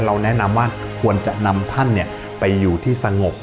แนะนำว่าควรจะนำท่านไปอยู่ที่สงบ